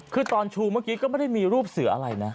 คือตอนชูเมื่อกี้ก็ไม่ได้มีรูปเสืออะไรนะ